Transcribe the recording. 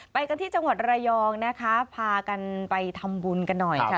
ไปกันที่จังหวัดระยองนะคะพากันไปทำบุญกันหน่อยค่ะ